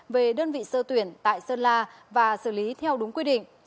về đơn vị sơ tuyển tại sơn la và xử lý theo đúng quy định